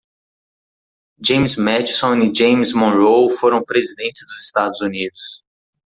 James Madison e James Monroe foram presidentes do Estados Unidos.